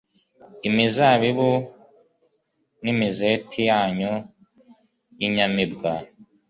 imizabibu n'imizeti yanyu y'inyamibwa